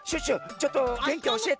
ちょっとてんきおしえて？